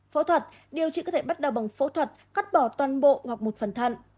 phẫu thuật điều trị có thể bắt đầu bằng phẫu thuật cắt bỏ toàn bộ hoặc một phần thận